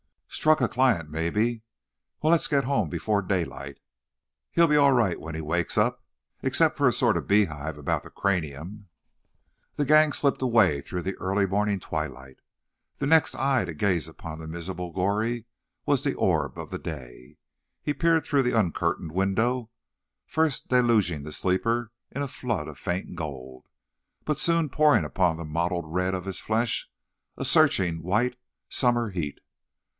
"Struck a client, maybe. Well, let's get home before daylight. He'll be all right when he wakes up, except for a sort of beehive about the cranium." The gang slipped away through the early morning twilight. The next eye to gaze upon the miserable Goree was the orb of day. He peered through the uncurtained window, first deluging the sleeper in a flood of faint gold, but soon pouring upon the mottled red of his flesh a searching, white, summer heat.